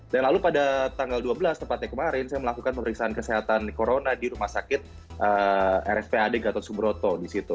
dan lalu pada tanggal dua belas tempatnya kemarin saya melakukan pemeriksaan kesehatan corona di rumah sakit rspad gatot subroto